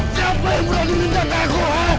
siapa yang mudah menginjak aku